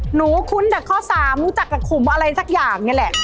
คุ้นจากข้อ๓รู้จักกับขุมอะไรสักอย่างนี่แหละ